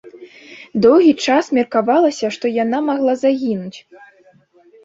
Доўгі час меркавалася, што яна магла загінуць.